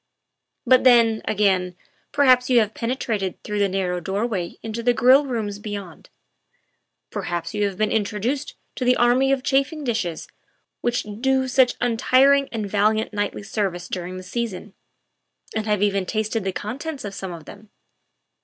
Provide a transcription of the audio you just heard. But then, again, perhaps you have penetrated through the narrow doorway into the grill rooms beyond ; perhaps you have been introduced to the army of chafing dishes which do such untiring and valiant nightly service during the season, and have even tasted the contents of some of them.